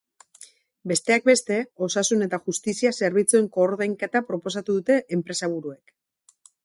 Besteak beste, osasun eta justizia zerbitzuen koordainketa proposatu dute enpresaburuek.